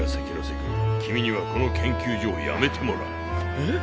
えっ。